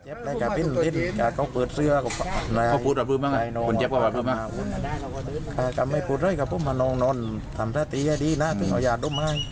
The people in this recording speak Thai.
ออกมานอนทำแท้ตีให้ดีนะต้องอย่าดุ้มให้